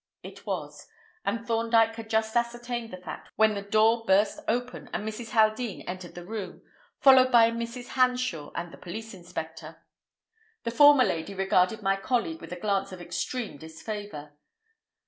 It was; and Thorndyke had just ascertained the fact when the door burst open and Mrs. Haldean entered the room, followed by Mrs. Hanshaw and the police inspector. The former lady regarded my colleague with a glance of extreme disfavour.